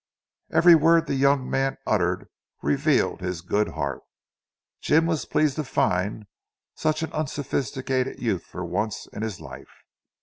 Every word the young man uttered revealed his good heart. Jim was pleased to find such an unsophisticated youth for once in his life.